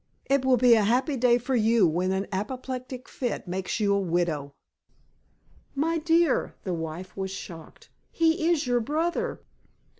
It will be a happy day for you when an apoplectic fit makes you a widow." "My dear," the wife was shocked, "he is your brother."